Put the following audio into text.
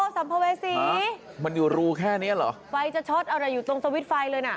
สัมภเวษีมันอยู่รูแค่เนี้ยเหรอไฟจะช็อตอะไรอยู่ตรงสวิตช์ไฟเลยน่ะ